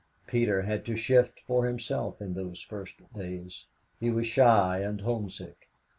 Peter had to shift for himself in those first days. He was shy and homesick.